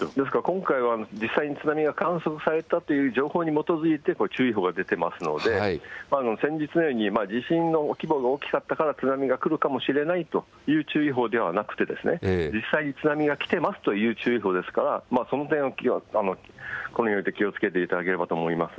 今回は実際に津波が観測されたという情報に基づいて注意報が出ていますので、先日のように地震の規模が大きかったから津波が来るかもしれないという注意報ではなくて、実際に津波が来ていますという注意報ですからその点、気をつけていただければと思います。